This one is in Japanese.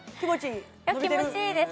いや気持ちいいです